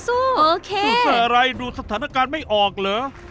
โอเคสู้แต่อะไรดูสถานการณ์ไม่ออกเหรอ